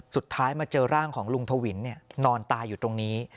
สุดท้ายมาเจอร่างของลุงทวินนอนตายอยู่ตรงนี้